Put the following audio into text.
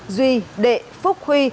duy đệ phúc huy